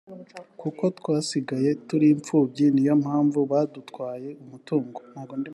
kuko twasigaye turi imfubyi niyo mpanvu badutwaye umutungo